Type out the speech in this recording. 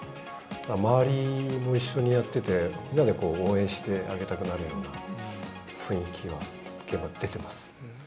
周りも一緒にやってて、みんなで応援してあげたくなるような雰囲気は現場で出てます。